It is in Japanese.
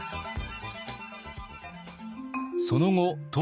その後唐